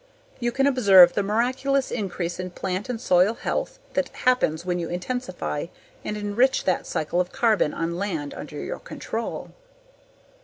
You can observe the miraculous increase in plant and soil health that happens when you intensify and enrich that cycle of carbon on land under your control.